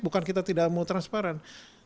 bukan kita tidak mau transparan